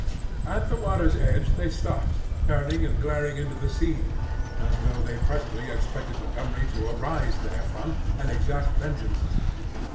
At the water's edge they stopped, turning and glaring into the sea as though they presently expected Montgomery to arise therefrom and exact vengeance.